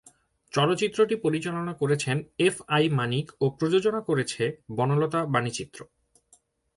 চলচ্চিত্রটি পরিচালনা করেছেন এফ আই মানিক ও প্রযোজনা করেছে বনলতা বাণীচিত্র।